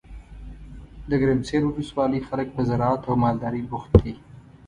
دګرمسیر ولسوالۍ خلګ په زراعت او مالدارۍ بوخت دي.